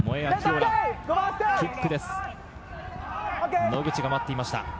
野口が待っていました。